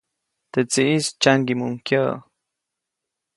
Teʼ tsiʼis tsyaŋgiʼmuʼuŋ kyäʼ.